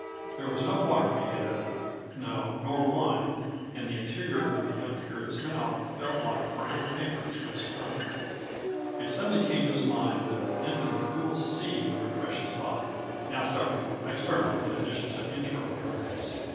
There was no water to be had, no, nor wine, and the interior of the young curate's mouth felt like brown paper to his tongue. It suddenly came to his mind that a dip in the cool sea would refresh his body, now suffering from external in addition to internal dryness.